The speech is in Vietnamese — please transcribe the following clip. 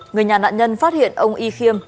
người nhà nạn nhân phát hiện ông y kim